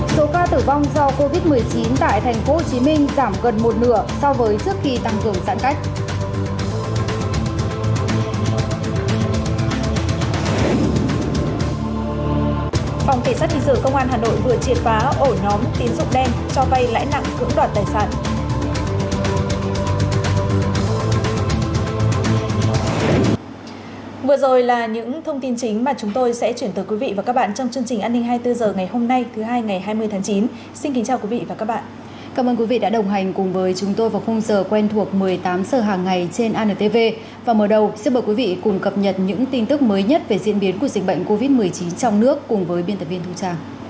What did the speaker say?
số ca tử vong do covid một mươi chín tại tp hcm giảm gần một nửa so với trước khi tăng cường giãn cách